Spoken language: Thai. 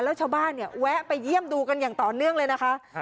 แล้วชาวบ้านเนี่ยแวะไปเยี่ยมดูกันอย่างต่อเนื่องเลยนะคะ